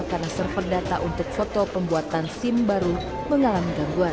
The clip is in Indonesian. karena server data untuk foto pembuatan sim baru mengalami gangguan